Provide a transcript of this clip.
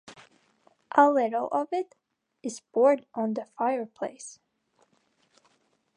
A little of it is poured on the fireplace.